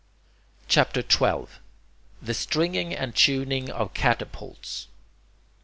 CHAPTER XII THE STRINGING AND TUNING OF CATAPULTS 1.